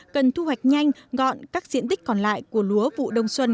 cần thu hoạch nhanh gọn các diện tích còn lại của lúa vụ đông xuân